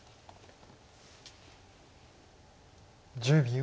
１０秒。